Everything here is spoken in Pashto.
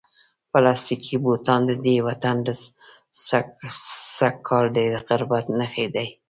پلاستیکي بوټان د دې وطن د سږکال د غربت نښې دي.